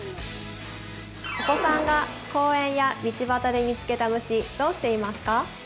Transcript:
お子さんが公園や道端で見つけた虫どうしていますか？